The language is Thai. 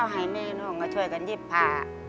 ให้แม่น้องก็ช่วยกันยิบผ้า